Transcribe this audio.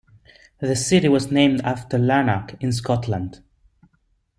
The city was named after Lanark, in Scotland.